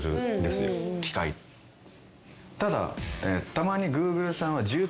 ただたまに。